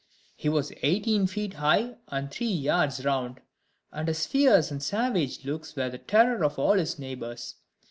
He was eighteen feet high, and three yards round; and his fierce and savage looks were the terror of all his neighbors.